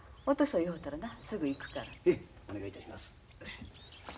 へいお願いいたします。